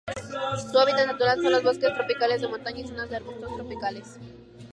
Su hábitat natural son los bosques tropicales de montaña y zonas de arbustos tropicales.